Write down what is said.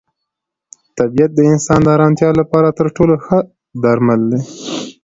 طبیعت د انسان د ارامتیا لپاره تر ټولو ښه درمل دی.